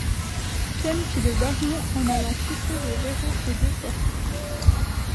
Pien, fit le baron en allant pousser les verrous aux deux portes.